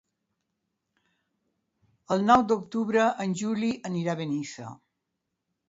El nou d'octubre en Juli anirà a Benissa.